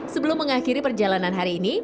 sebelum mengakhiri perjalanan hari ini